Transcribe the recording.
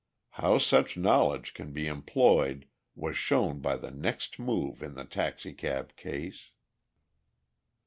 How such knowledge can be employed was shown by the next move in the taxicab case.